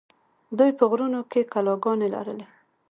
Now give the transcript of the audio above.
دوی په غرونو کې کلاګانې لرلې